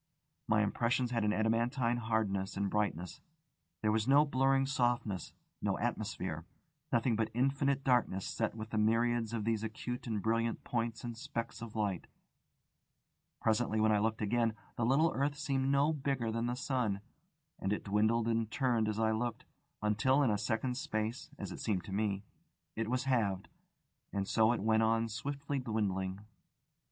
My impressions had an adamantine hardness and brightness: there was no blurring softness, no atmosphere, nothing but infinite darkness set with the myriads of these acute and brilliant points and specks of light. Presently, when I looked again, the little earth seemed no bigger than the sun, and it dwindled and turned as I looked, until in a second's space (as it seemed to me), it was halved; and so it went on swiftly dwindling.